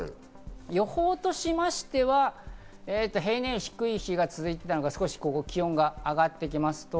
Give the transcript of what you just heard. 予報としましては平年より低い日が続いたのがここ、少し気温が上がってきます。